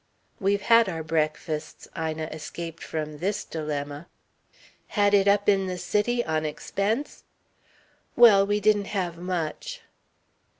"We've had our breakfasts," Ina escaped from this dilemma. "Had it up in the city, on expense?" "Well, we didn't have much."